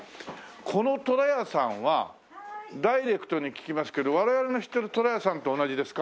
この虎屋さんはダイレクトに聞きますけど我々の知ってる虎屋さんと同じですか？